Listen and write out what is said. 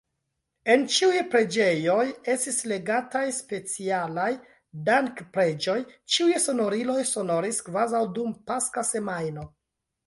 En ĉiuj preĝejoj estis legataj specialaj dankpreĝoj, ĉiuj sonoriloj sonoris kvazaŭ dum Paska semajno.